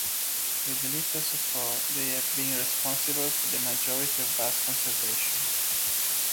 With little support they have been responsible for the majority of bus conservation.